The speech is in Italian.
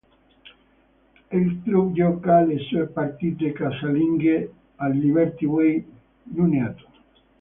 Il club gioca le sue partite casalinghe al Liberty Way, Nuneaton.